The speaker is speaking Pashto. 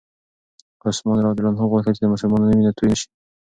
عثمان رض غوښتل چې د مسلمانانو وینه توی نه شي.